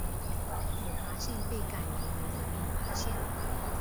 五华县被改名名为五华县。